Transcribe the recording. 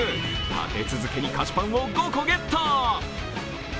立て続けに菓子パンを５個ゲット！